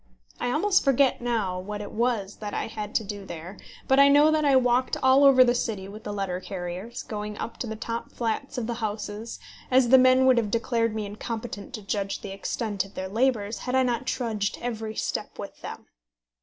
I almost forget now what it was that I had to do there, but I know that I walked all over the city with the letter carriers, going up to the top flats of the houses, as the men would have declared me incompetent to judge the extent of their labours had I not trudged every step with them.